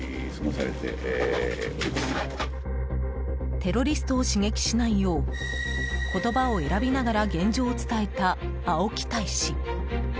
テロリストを刺激しないよう言葉を選びながら現状を伝えた青木大使。